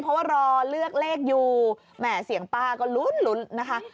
เพราะว่ารอเลือกเลขอยู่แหม่เสียงป้าก็ลุ้นนะคะ